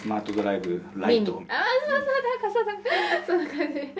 そんな感じ